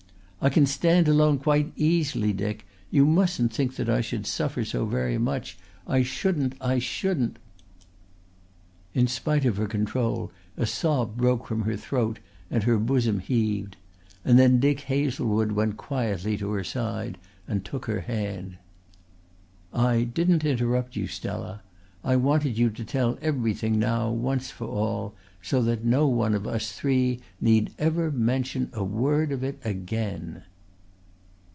"I can stand alone quite easily, Dick. You mustn't think that I should suffer so very much. I shouldn't! I shouldn't " In spite of her control a sob broke from her throat and her bosom heaved; and then Dick Hazlewood went quietly to her side and took her hand. "I didn't interrupt you, Stella. I wanted you to tell everything now, once for all, so that no one of us three need ever mention a word of it again."